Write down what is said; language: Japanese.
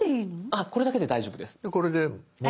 あっこれだけで大丈夫です。